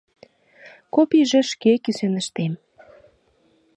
Копийже шке кӱсеныштем.